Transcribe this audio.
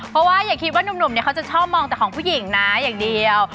เพราะว่าอย่าคิดว่านุ่มเนี่ยเขาจะชอบมองแต่ของผู้หญิงนะอย่างเดียว